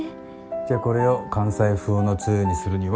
じゃあこれを関西風のつゆにするには。